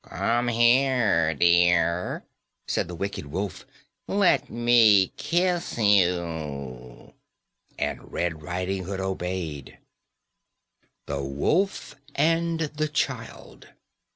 "Come here, dear," said the wicked wolf, "and let me kiss you," and Red Riding Hood obeyed. _THE WOLF AND THE CHILD.